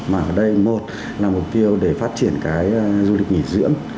mà ở đây một là mục tiêu để phát triển cái du lịch nghỉ dưỡng